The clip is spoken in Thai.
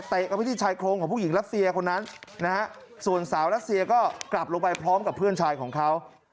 เข้าไปที่ชายโครงของผู้หญิงรัสเซียคนนั้นนะฮะส่วนสาวรัสเซียก็กลับลงไปพร้อมกับเพื่อนชายของเขา